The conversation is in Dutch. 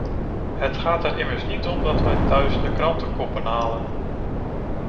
Het gaat er immers niet om dat wij thuis de krantenkoppen halen.